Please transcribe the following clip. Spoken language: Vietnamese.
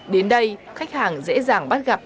đến đây khách hàng dễ dàng bắt gặp